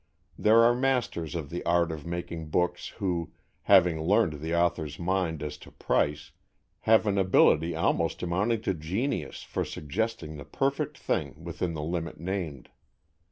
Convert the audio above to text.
There are masters of the art of making books who, having learned the author's mind as to price, have an ability almost amounting to genius for suggesting the perfect thing within the limit named.